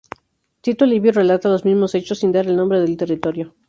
Tito Livio relata los mismos hechos, sin dar el nombre del territorio.